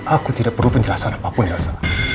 aku tidak perlu penjelasan apapun elsa